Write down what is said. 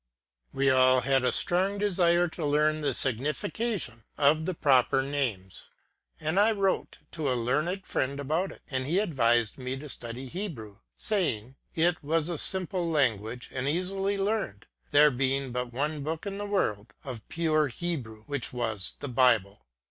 We all had a strong desire to learn the signification of the proper names, and I wrote to a learned friend about it, and he advised me to study Hebrew, saying, "'it was a simple language, and easily learned, there being but one book in the world, of pure Hebrew, which was the Bible."